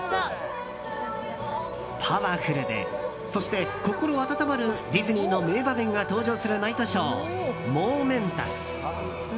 パワフルで、そして心温まるディズニーの名場面が登場するナイトショー、モーメンタス。